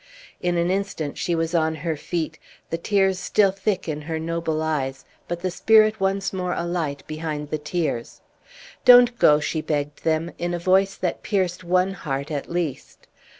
In an instant she was on her feet, the tears still thick in her noble eyes, but the spirit once more alight behind the tears. "Don't go!" she begged them, in a voice that pierced one heart at least.